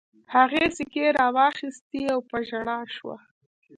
هغې سيکې را واخيستې او په ژړا شوه.